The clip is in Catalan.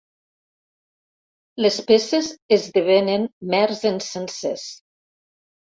Les peces esdevenen mers encensers.